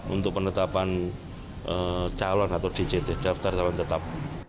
untuk penetapan calon atau dct daftar calon tetap